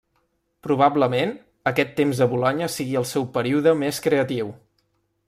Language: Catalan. Probablement, aquest temps a Bolonya sigui el seu període més creatiu.